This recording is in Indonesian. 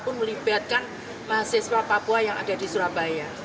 tapi saya juga ingin mengucapkan kebenaran kepada mahasiswa papua yang ada di surabaya